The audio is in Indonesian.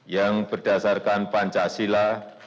yang berdasarkan pancasila